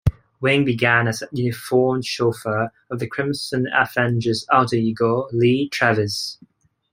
Wing began as a uniformed chauffeur of the Crimson Avenger's alter ego Lee Travis.